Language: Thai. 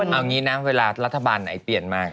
เอางี้นะเวลารัฐบาลไหนเปลี่ยนมา